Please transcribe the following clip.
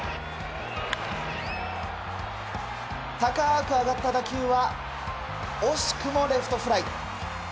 高く上がった打球は惜しくもレフトフライ。